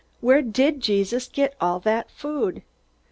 "Where did Jesus get all that food?"